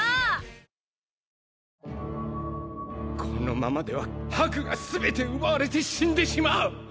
このままでは魄が全て奪われて死んでしまう！